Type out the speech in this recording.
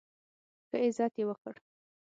ښه عزت یې وکړ.